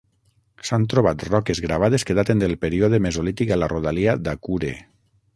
S'han trobat roques gravades que daten del període Mesolític a la rodalia d'Akure.